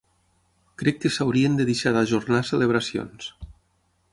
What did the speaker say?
Crec que s’haurien de deixar d’ajornar celebracions.